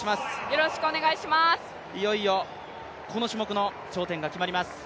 いよいよこの種目の頂点が決まります。